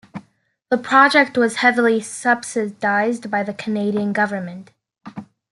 The project was heavily subsidized by the Canadian government.